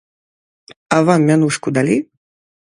А вам мянушку далі?